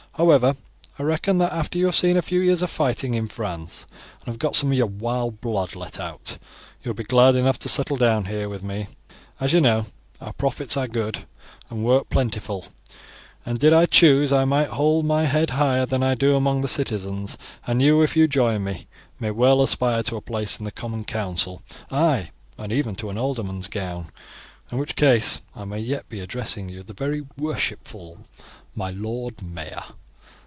However, I reckon that after you have seen a few years of fighting in France, and have got some of your wild blood let out, you will be glad enough to settle down here with me; as you know, our profits are good, and work plentiful; and did I choose I might hold mine head higher than I do among the citizens; and you, if you join me, may well aspire to a place in the common council, aye, and even to an alderman's gown, in which case I may yet be addressing you the very worshipful my Lord Mayor."